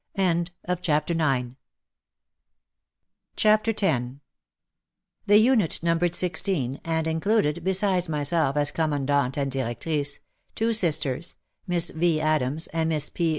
CHAPTER X The unit numbered sixteen, and included, be sides myself as Commandant and Directrice, two Sisters, Miss V. Adams and Miss P.